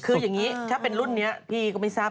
คืออย่างนี้ถ้าเป็นรุ่นนี้พี่ก็ไม่ทราบ